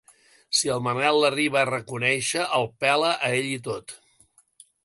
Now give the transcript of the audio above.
Si el Manel l'arriba a reconèixer el pela a ell i tot!